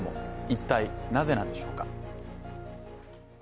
一体、なぜなんでしょうか。